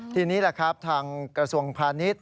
ทีนี้แหละครับทางกระทรวงพาณิชย์